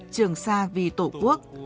trường sa vì tổ quốc